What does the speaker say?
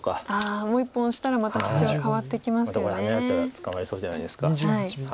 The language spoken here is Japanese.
またこれハネられたら捕まりそうじゃないですか。